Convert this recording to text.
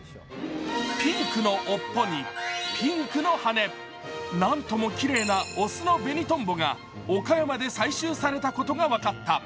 ピンクの尾っぽにピンクの羽、なんともきれいな雄のベニトンボが岡山で採集されたことが分かった。